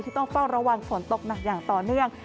ต้องเฝ้าระวังฝนตกหนักอย่างต่อเนื่อง